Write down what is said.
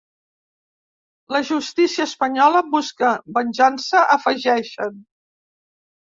La justícia espanyola busca venjança, afegeixen.